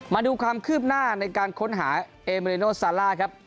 มาดูความคืบหน้าในการค้นหาเอเมริโนซาล่าครับ